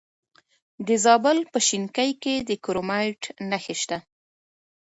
د زابل په شینکۍ کې د کرومایټ نښې شته.